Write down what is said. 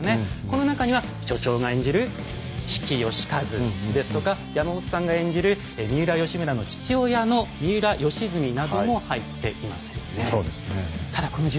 この中には所長が演じる比企能員ですとか山本さんが演じる三浦義村の父親の三浦義澄なども入っていますよね。